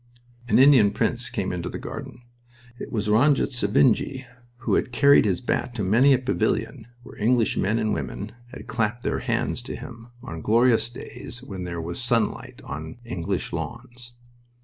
An Indian prince came into the garden. It was "Ranjitsinji," who had carried his bat to many a pavilion where English men and women had clapped their hands to him, on glorious days when there was sunlight on English lawns.